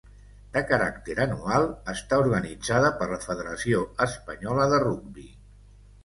De caràcter anual, està organitzada per la Federació Espanyola de Rugbi.